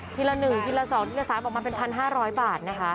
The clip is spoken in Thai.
ทีละหนึ่งทีละสองทีละสามบอกมาเป็น๑๕๐๐บาท